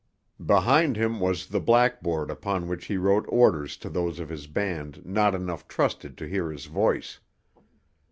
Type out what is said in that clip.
Behind him was the blackboard upon which he wrote orders to those of his band not enough trusted to hear his voice.